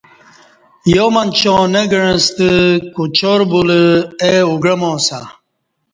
یامنچا نہ گعستہ کوچار بولہ ای او گعماسہ